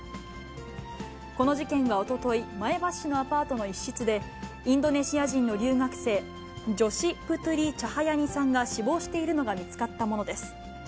この事件はおととい、前橋市のアパートの一室で、インドネシア人の留学生、ジョシ・プトゥリ・チャハヤニさんが死亡しているのが見つかったものです。